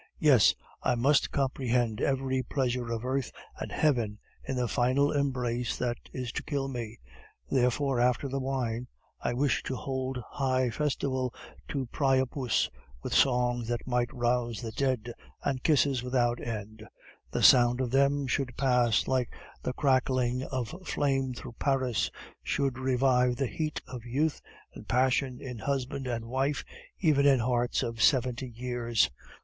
Yes, I must comprehend every pleasure of earth and heaven in the final embrace that is to kill me. Therefore, after the wine, I wish to hold high festival to Priapus, with songs that might rouse the dead, and kisses without end; the sound of them should pass like the crackling of flame through Paris, should revive the heat of youth and passion in husband and wife, even in hearts of seventy years."